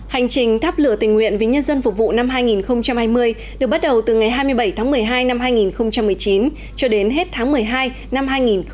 hành trình tháp lửa tình nguyện vì nhân dân phục vụ năm hai nghìn hai mươi được bắt đầu từ ngày hai mươi bảy tháng một mươi hai năm hai nghìn một mươi chín cho đến hết tháng một mươi hai năm hai nghìn hai mươi